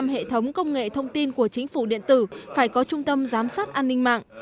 một trăm linh hệ thống công nghệ thông tin của chính phủ điện tử phải có trung tâm giám sát an ninh mạng